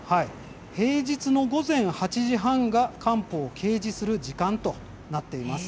平日の午前８時半が官報を掲示する時間となっています。